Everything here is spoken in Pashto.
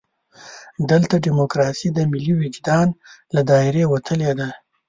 دلته ډیموکراسي د ملي وجدان له دایرې وتلې ده.